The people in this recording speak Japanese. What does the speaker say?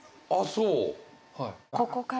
そう